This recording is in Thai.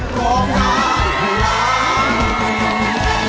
ก็จะฮาร์สฮาร์ส